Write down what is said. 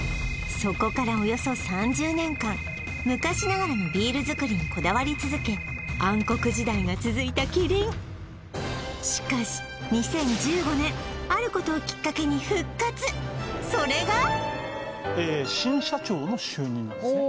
そこからおよそ３０年間昔ながらのビールづくりにこだわり続け暗黒時代が続いたキリンしかし２０１５年あることをきっかけに復活それが新社長の就任なんですね